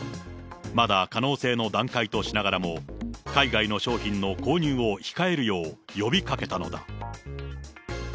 まだ可能性の段階としながらも、海外の商品の購入を控えるよう、呼びかけたのだ。